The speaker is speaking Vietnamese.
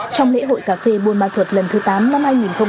trong lễ hội cà phê buôn mê thuật lần thứ tám năm hai nghìn hai mươi ba